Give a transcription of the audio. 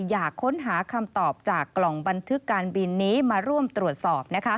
อยากค้นหาคำตอบจากกล่องบันทึกการบินนี้มาร่วมตรวจสอบ